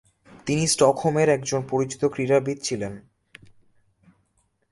তিনি স্টকহোমের একজন পরিচিত ক্রীড়াবিদ ছিলেন।